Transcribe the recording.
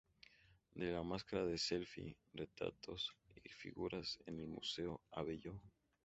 De la máscara al selfie: retratos y figuras en el Museo Abelló".